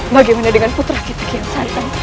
bagaimana dengan putra kita kian santang